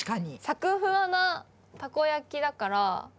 サクフワなたこ焼きだから。